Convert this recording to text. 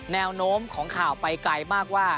แนวโน้มของข่าวไปไกลมากว่า